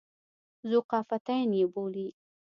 ذوقافیتین یې بولي.